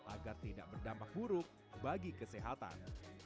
agar tidak berdampak buruk bagi kesehatan